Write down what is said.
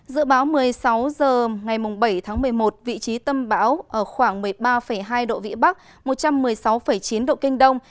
dự báo một mươi sáu h ngày bảy tháng một mươi một vị trí tâm bão ở khoảng một mươi ba hai độ vĩ bắc một trăm một mươi sáu chín độ kinh đông